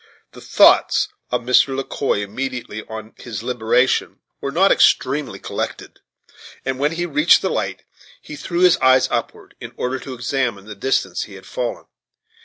The thoughts of Mr. Le Quoi, immediately on his liberation, were not extremely collected; and, when he reached the light, he threw his eyes upward, in order to examine the distance he had fallen.